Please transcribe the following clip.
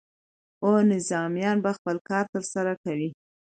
او نظامیان به خپل کار ترسره کوي.